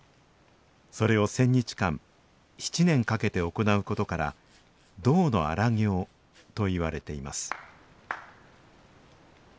それを１０００日間７年かけて行うことから「動の荒行」といわれています